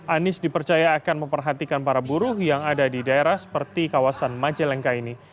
anies dipercaya akan memperhatikan para buruh yang ada di daerah seperti kawasan majalengka ini